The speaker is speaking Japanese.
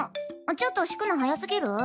ちょっと敷くの早すぎる？